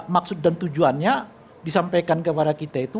maksud dan tujuannya disampaikan kepada kita itu